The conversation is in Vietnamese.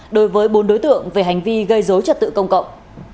đối với bốn đối tượng về hành vi gây dối trật tự công cộng